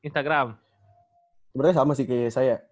sebenernya sama sih kayak saya